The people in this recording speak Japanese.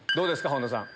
本田さん。